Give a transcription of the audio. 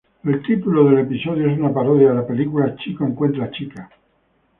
El título del episodio es una parodia de la película Boy Meets Girl.